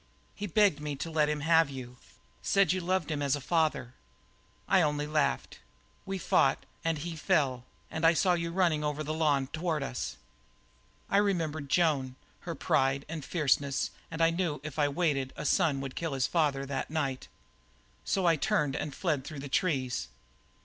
He begged me to let him have you; said you loved him as a father; I only laughed. So we fought, and he fell; and then I saw you running over the lawn toward us. "I remembered Joan, her pride and her fierceness, and I knew that if I waited a son would kill his father that night. So I turned and fled through the trees.